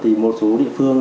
thì một số địa phương